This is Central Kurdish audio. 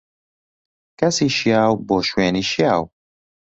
کەسی شیاو، بۆ شوێنی شیاو.